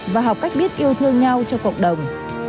và học cách biết yêu thương nhau cho cộng đồng